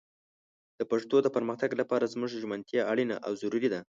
د پښتو د پرمختګ لپاره زموږ ژمنتيا اړينه او ضروري ده